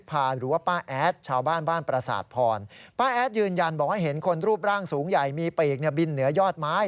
ป้าแอดยืนยันบอกให้เห็นคนรูปร่างสูงใหญ่มีปีกบินเหนือยอดไม้